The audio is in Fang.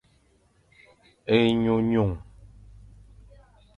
Enyunyung.